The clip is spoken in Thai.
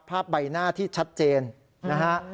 ใบหน้าที่ชัดเจนนะฮะ